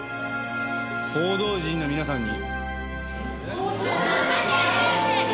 報道陣の皆さんに。